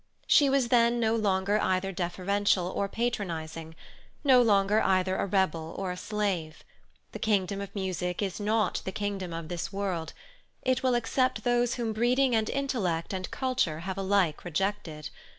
She was then no longer either deferential or patronizing; no longer either a rebel or a slave. The kingdom of music is not the kingdom of this world; it will accept those whom breeding and intellect and culture have alike rejected.